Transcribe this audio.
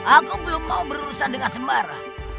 aku belum mau berurusan dengan sembara